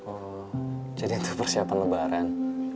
oh jadi ada persiapan lebaran